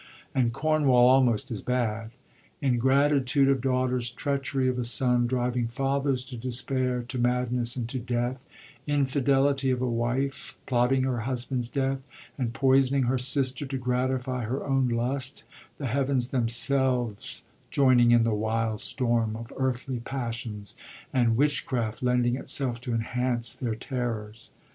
O— and Cornwall, almost as bad. Ingratitude of daughters, treachery of a son, — driving fathers to despair, to madness, and to death, — infidelity of a wife, plotting her husband's death, and poisoning her sister, to gratify her own lust, the heavens themselves joining in the wild storm of earthly passions, and witchcraft lending itself to enhance their terrors.